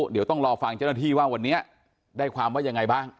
เดี๋ยวต้องรอฟังเจ้าหน้าที่ว่าวันนี้ได้ความว่ายังไงบ้าง